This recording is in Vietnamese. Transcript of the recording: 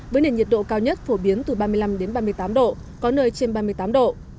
với nền nhiệt độ cao nhất phổ biến từ ba mươi năm ba mươi tám độ c có nơi trên ba mươi tám độ c